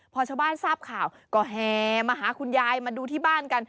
พอชาวบ้านทราบข่าวก็แห่มาหาคุณยายมาดูที่บ้านกัน